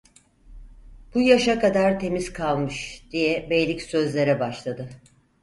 "Bu yaşa kadar temiz kalmış…" diye beylik sözlere başladı.